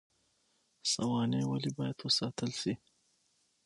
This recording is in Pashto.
سوانح ولې باید وساتل شي؟